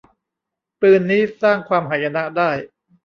ปืนนี้สร้างความหายนะได้